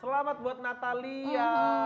selamat buat natalia